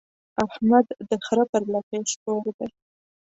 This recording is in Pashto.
احمد د خره پر لکۍ سپور دی.